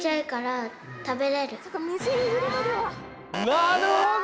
なるほど！